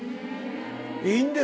いいんですか？